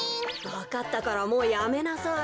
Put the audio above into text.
わかったからもうやめなさい。